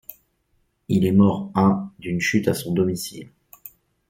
Il est mort à d'une chute à son domicile.